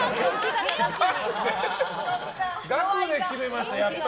額で決めました。